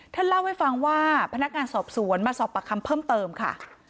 ท่านเล่าให้ฟังว่าพนักงานสอบสวนมาสอบปากคำเพิ่มเติมค่ะ